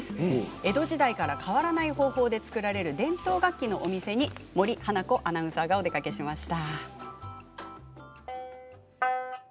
江戸時代から変わらない方法で作られる伝統楽器のお店に森花子アナウンサーがお出かけしました。